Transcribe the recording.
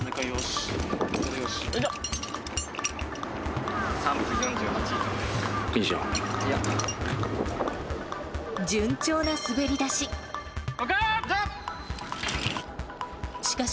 よし。